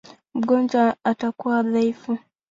Mgonjwa atakuwa dhaifu.